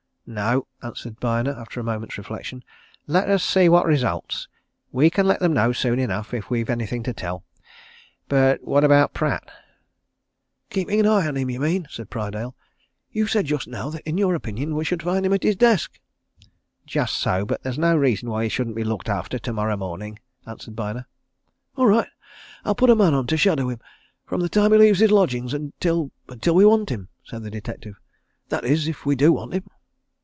"No!" answered Byner, after a moment's reflection. "Let us see what results. We can let them know, soon enough, if we've anything to tell. But what about Pratt?" "Keeping an eye on him you mean?" said Prydale. "You said just now that in your opinion we should find him at his desk." "Just so but that's no reason why he shouldn't be looked after tomorrow morning," answered Byner. "All right I'll put a man on to shadow him, from the time he leaves his lodgings until until we want him," said the detective. "That is if we do want him."